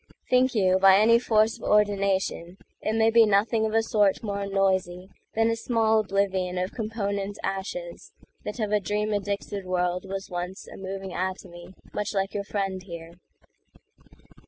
Think you by any force of ordinationIt may be nothing of a sort more noisyThan a small oblivion of component ashesThat of a dream addicted world was onceA moving atomy much like your friend here?"